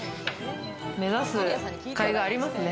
目指すかいがありますね。